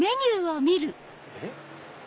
えっ？